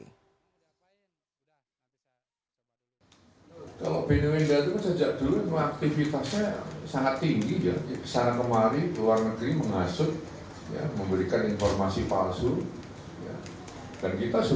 dikutip dari laman cnnindonesia com beni sebagai tokoh yang memperjuangkan kemerdekaan papua hingga kini masih aktif menggalang dukungan internasional dan tinggal di luar negeri